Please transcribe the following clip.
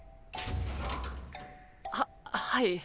ははい。